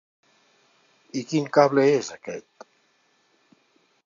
I quin cable és aquest?